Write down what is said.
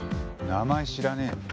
名前知らねえもん。